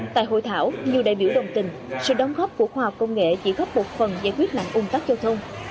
tại hội thảo nhiều đại biểu đồng tình sự đóng góp của khoa học công nghệ chỉ góp một phần giải quyết nạn ung tắc giao thông